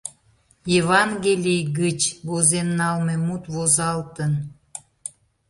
Евангелий гыч возен налме мут возалтын.